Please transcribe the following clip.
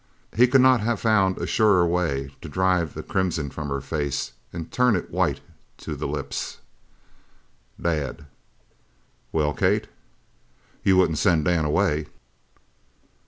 He could not have found a surer way to drive the crimson from her face and turn it white to the lips. "Dad!" "Well, Kate?" "You wouldn't send Dan away!"